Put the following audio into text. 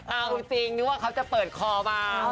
เอาจริงนึกว่าเขาจะเปิดคอมา